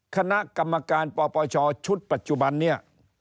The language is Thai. คณะกรรมการปปชชุดปัจจุบันนี้